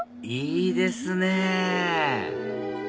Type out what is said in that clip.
いいですね